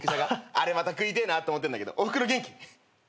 あれまた食いてえなと思ってんだけどおふくろ元気？